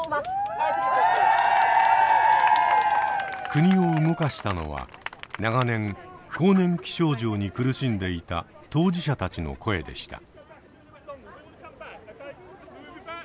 国を動かしたのは長年更年期症状に苦しんでいた当事者たちの声でした。